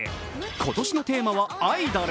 今年のテーマはアイドル。